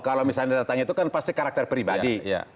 kalau misalnya datangnya itu kan pasti karakter pribadi